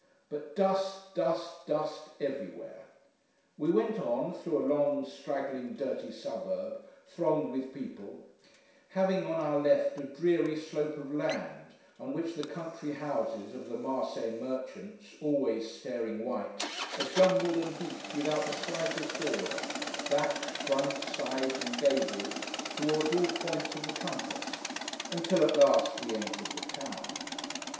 But dust, dust, dust, everywhere. We went on, through a long, straggling, dirty suburb, thronged with people; having on our left a dreary slope of land, on which the country houses of the Marseilles merchants, always staring white, are jumbled and heaped without the slightest order: backs, fronts, sides, and gables towards all points of the compass; until, at last, we entered the town.